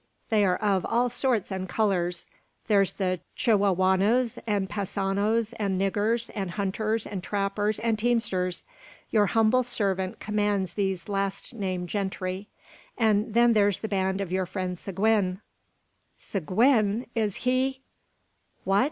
"They are of all sorts and colours. There's the Chihuahuanos and Passenos, and niggurs, and hunters, and trappers, and teamsters. Your humble servant commands these last named gentry. And then there's the band of your friend Seguin " "Seguin! Is he " "What?